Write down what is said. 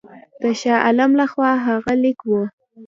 د شاه عالم له خوا هغه لیک وو.